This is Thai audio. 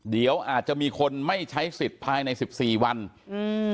เดี๋ยวอาจจะมีคนไม่ใช้สิทธิ์ภายในสิบสี่วันอืม